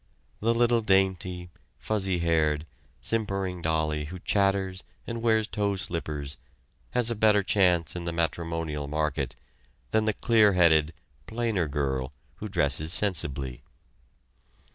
The little dainty, fuzzy haired, simpering dolly who chatters and wears toe slippers has a better chance in the matrimonial market than the clear headed, plainer girl, who dresses sensibly.